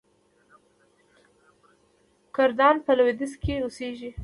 کردان په لویدیځ کې اوسیږي.